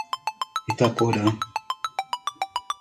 Itaporã